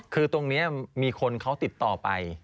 คือตรงนี้มีคนเขาติดต่อไป